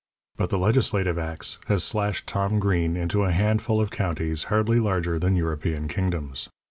But the legislative axe has slashed Tom Green into a handful of counties hardly larger than European kingdoms.